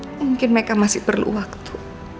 mungkin mereka masih perlu waktu